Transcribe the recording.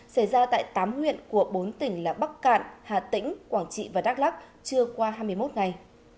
xảy ra tại tám huyện của bốn tỉnh là bắc cạn hà tĩnh quảng trị và đắk lắc chưa qua hai mươi một ngày